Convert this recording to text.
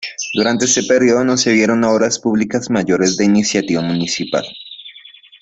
Durante este período no se vieron obras públicas mayores de iniciativa municipal.